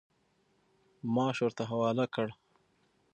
معاش ورته حواله کړ.